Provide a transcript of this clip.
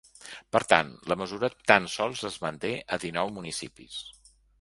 Per tant, la mesura tan sols es manté a dinou municipis.